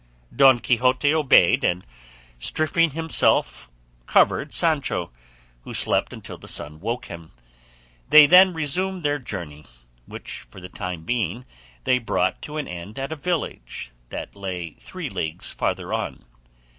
Don Quixote obeyed, and stripping himself covered Sancho, who slept until the sun woke him; they then resumed their journey, which for the time being they brought to an end at a village that lay three leagues farther on.